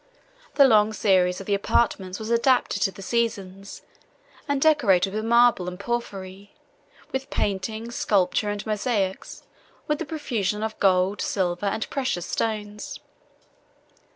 The long series of the apartments was adapted to the seasons, and decorated with marble and porphyry, with painting, sculpture, and mosaics, with a profusion of gold, silver, and precious stones.